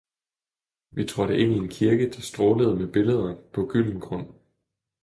Vi trådte ind i en kirke, der strålede med billeder på gylden grund.